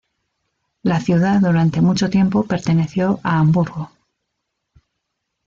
La ciudad durante mucho tiempo perteneció a Hamburgo.